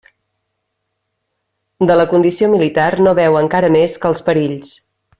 De la condició militar no veu encara més que els perills.